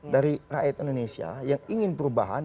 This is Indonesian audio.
dari rakyat indonesia yang ingin perubahan